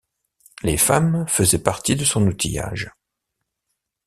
Les femmes faisaient partie de son outillage.